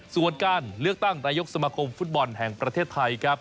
ส่วนการเลือกตั้งนายกสมาคมฟุตบอลแห่งประเทศไทยครับ